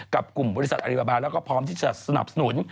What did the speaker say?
กับกลุ่มบริษัทอริบาแล้วก็พร้อมที่จะสนับสนุน